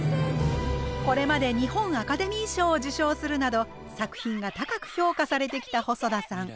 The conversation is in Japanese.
これまで日本アカデミー賞を受賞するなど作品が高く評価されてきた細田さん。